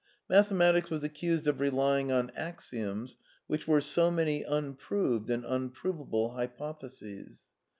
Mathematics was accused of rely ing on axioms which were so many unproved and unprov able hypotheses.